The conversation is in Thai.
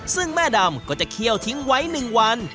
ซึ่งแม่ดำก็จะเคี่ยวทิ้งไว้๑วัน